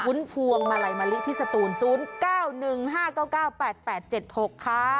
พวงมาลัยมะลิที่สตูน๐๙๑๕๙๙๘๘๗๖ค่ะ